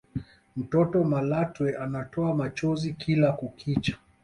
mtoto malatwe anatoa machozi kila kukicha